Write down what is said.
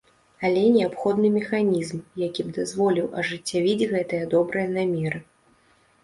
Але неабходны механізм, які б дазволіў ажыццявіць гэтыя добрыя намеры.